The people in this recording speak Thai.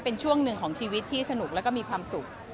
เป็นช่วงหนึ่งของชีวิตที่สนุกแล้วก็มีความสุข